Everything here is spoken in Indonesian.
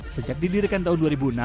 sejak didirikan tahun dua ribu enam